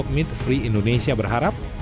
kami free indonesia berharap